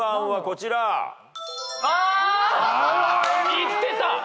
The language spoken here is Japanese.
言ってた！